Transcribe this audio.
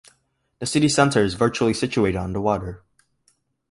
The city centre is virtually situated on the water.